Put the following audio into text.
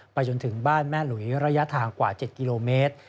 จนถึงบ้านแม่หลุยระยะทางกว่า๗กิโลเมตร